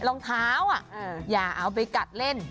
รองเท้าอย่าเอาไปกัดเล่น